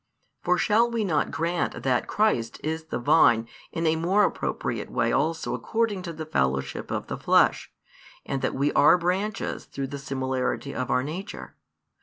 For shall we not grant that Christ is the Vine in a more appropriate way also according to the fellowship of the flesh, and that we are branches through the similarity of our nature?